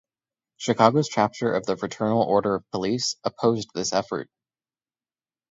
Chicago's chapter of the Fraternal Order of Police opposed this effort.